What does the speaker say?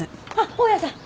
大家さん。